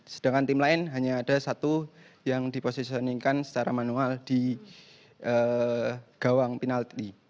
sedangkan tim lain hanya ada satu yang diposisikaningkan secara manual di gawang penalti